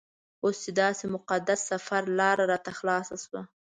اوس چې داسې مقدس سفر لاره راته خلاصه شوه.